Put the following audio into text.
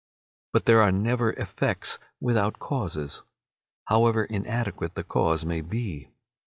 But there are never effects without causes, however inadequate the cause may be.